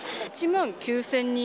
１万９０００人。